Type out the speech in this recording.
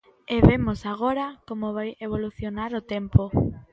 E vemos agora como vai evolucionar o tempo.